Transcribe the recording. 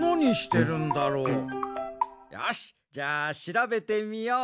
よしじゃあしらべてみよう。